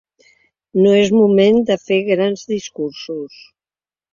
No és moment de fer grans discursos.